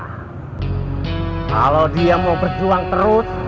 kalau dia mau berjuang terus